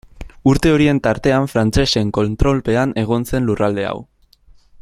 Urte horien tartean frantsesen kontrolpean egon zen lurralde hau.